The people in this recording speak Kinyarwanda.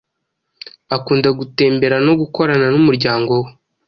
akunda gutembera no gukorana n'umuryango we